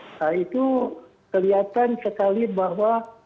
nah itu kelihatan sekali bahwa